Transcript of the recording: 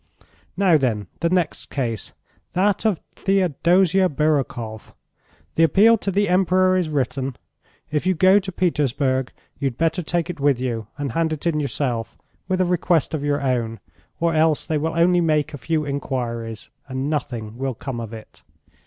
Now then, the next case, that of Theodosia Birukoff. The appeal to the Emperor is written. If you go to Petersburg, you'd better take it with you, and hand it in yourself, with a request of your own, or else they will only make a few inquiries, and nothing will come of it.